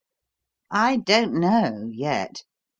"I don't know yet.